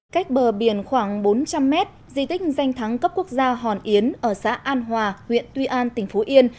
cách bờ biển khoảng bốn trăm linh mét di tích danh thắng cấp quốc gia hòn yến ở xã an hòa huyện tuy an tỉnh phú yên